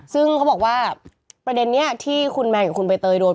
ซึ่งเขาบอกว่าประเด็นนี้ที่คุณแมนกับคุณใบเตยโดน